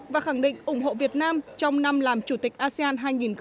và khẳng định ủng hộ việt nam trong năm làm chủ tịch asean hai nghìn hai mươi